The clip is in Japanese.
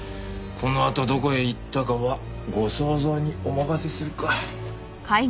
「このあとどこへ行ったかはご想像にお任せする」か。